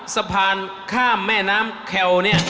สะพานข้ามแม่น้ำแคลเนี่ย